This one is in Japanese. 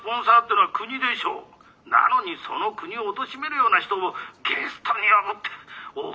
なのにその国をおとしめるような人をゲストに呼ぶっておかしいでしょ！」。